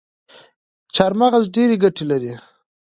چارمغز ډیري ګټي لري